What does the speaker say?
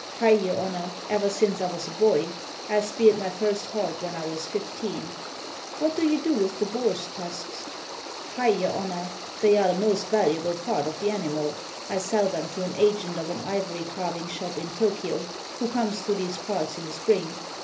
"Hai! your honor, ever since I was a boy. I speared my first hog when I was fifteen." "What do you do with the boar's tusks?" "Hai! your honor, they are the most valuable part of the animal. I sell them to an agent of an ivory carving shop in Tokio, who comes through these parts in the spring.